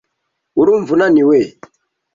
Urumva unaniwe?